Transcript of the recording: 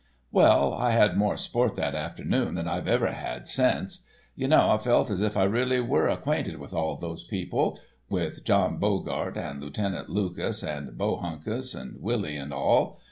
"Well, I had more sport that afternoon than I've ever had since. Y'know I felt as if I really were acquainted with all those people—with John Boggart, and Lieutenant Lucas, and Bohunkus, and Willie and all.